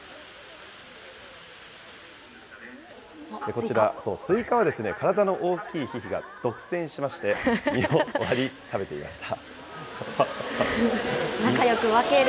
こちら、スイカは体の大きいヒヒが独占しまして、実を割り、食べていました。